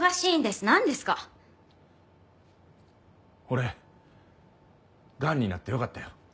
俺がんになってよかったよ。